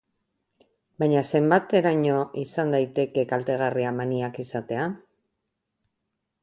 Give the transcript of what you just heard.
Baina zenbateraino izan daiteke kaltegarria maniak izatea?